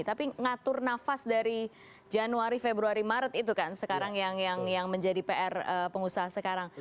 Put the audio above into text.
tapi ngatur nafas dari januari februari maret itu kan sekarang yang menjadi pr pengusaha sekarang